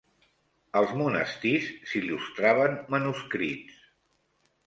Als monestirs s'il·lustraven manuscrits.